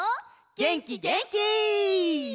げんきげんき！